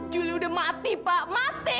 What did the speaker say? juli udah mati pak mati